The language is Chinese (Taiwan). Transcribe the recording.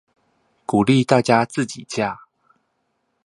鼓勵大家自己架